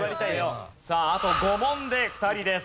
さああと５問で２人です。